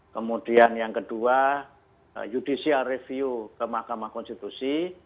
kemudian yang kedua judicial review ke mahkamah konstitusi